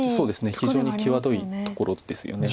非常に際どいところですよね。